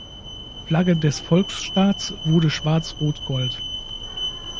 Flagge des Volksstaats wurde Schwarz-Rot-Gold.